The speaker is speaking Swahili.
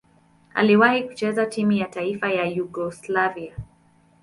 Aliwahi kucheza timu ya taifa ya Yugoslavia.